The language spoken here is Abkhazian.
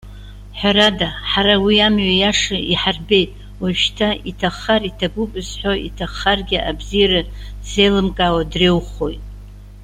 Ҳәарада, ҳара, уи амҩа иаша иҳарбеит. Уажәшьҭа, иҭаххар, иҭабуп зҳәо, иҭаххаргьы абзиара ззеилымкаауа дреиуахоит.